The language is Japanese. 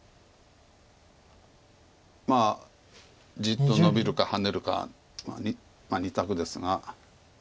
まあじっとノビるかハネるか２択ですが。